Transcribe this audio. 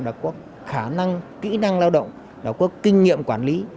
đã có khả năng kỹ năng lao động đã có kinh nghiệm quản lý